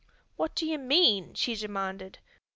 "What do you mean?" she demanded.